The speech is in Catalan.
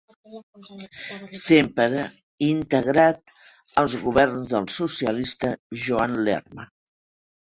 Sempre integrat als governs del socialista Joan Lerma.